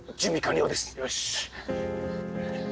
よし！